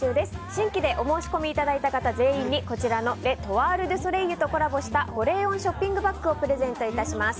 新規でお申し込みいただいた方全員にこちらのレ・トワール・デュ・ソレイユとコラボした保冷温ショッピングバッグをプレゼント致します。